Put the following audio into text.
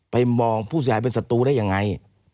ไปมองผู้สายเป็นศัตรูได้ยังไง